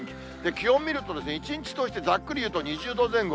気温見ると、１日通してざっくり言うと２０度前後。